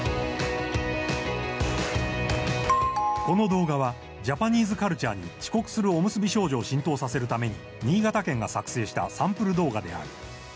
この動画はジャパニーズカルチャーに遅刻するおむすび少女を浸透させるために新潟県が作成したサンプル動画である。